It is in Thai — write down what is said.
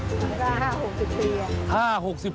ประมาณ๕๖๐ปี